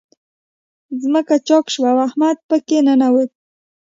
ځمکه چاک شوه، او احمد په کې ننوت.